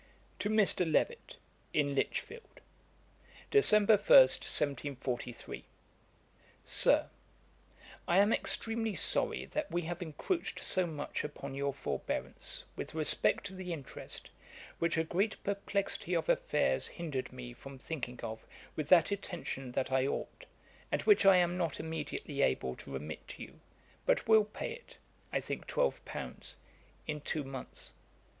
'To MR. LEVETT; IN LICHFIELD. 'December 1, 1743. 'SIR, 'I am extremely sorry that we have encroached so much upon your forbearance with respect to the interest, which a great perplexity of affairs hindered me from thinking of with that attention that I ought, and which I am not immediately able to remit to you, but will pay it (I think twelve pounds,) in two months.